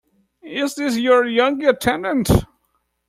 Is this your young attendant?